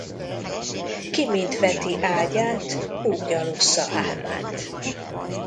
Ki mint veti ágyát, úgy alussza álmát.